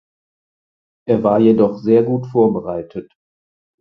Er war jedoch sehr gut vorbereitet.